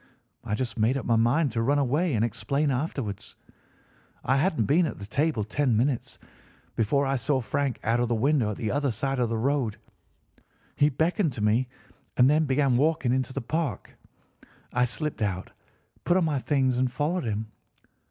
I just made up my mind to run away and explain afterwards. I hadn't been at the table ten minutes before I saw Frank out of the window at the other side of the road. He beckoned to me and then began walking into the Park. I slipped out, put on my things, and followed him.